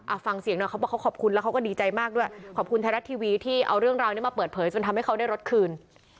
ฟังเสียงหน่อยเขาบอกเขาขอบคุณแล้วเขาก็ดีใจมากด้วยขอบคุณไทยรัฐทีวีที่เอาเรื่องราวนี้มาเปิดเผยจนทำให้เขาได้รถคืน